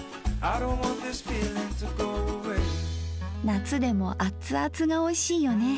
夏でもアツアツがおいしいよね